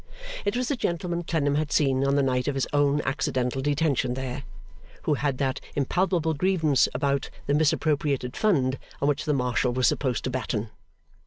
It was the gentleman Clennam had seen on the night of his own accidental detention there, who had that impalpable grievance about the misappropriated Fund on which the Marshal was supposed to batten.